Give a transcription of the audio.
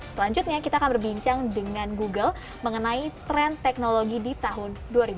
selanjutnya kita akan berbincang dengan google mengenai tren teknologi di tahun dua ribu dua puluh